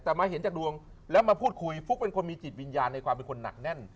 แต่มาเห็นจากดวงแล้วมาพูดคุยฟุ๊กเป็นคนมีจิตวิญญาณในความเป็นคนหนักแน่น